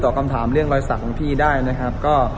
ถูก